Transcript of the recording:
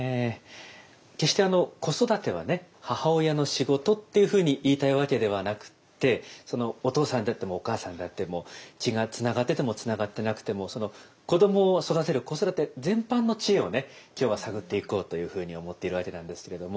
決して子育てはね母親の仕事っていうふうに言いたいわけではなくってお父さんであってもお母さんであっても血がつながっててもつながってなくても子どもを育てる子育て全般の知恵をね今日は探っていこうというふうに思っているわけなんですけれども。